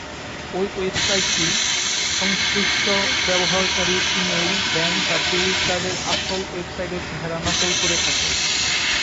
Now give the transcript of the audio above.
ঐ ওয়েবসাইটটি সংশ্লিষ্ট ব্যবহারকারীর ইমেইল, ব্যাংক বা ক্রেডিট কার্ডের আসল ওয়েবসাইটের চেহারা নকল করে থাকে।